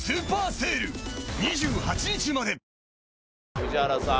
宇治原さん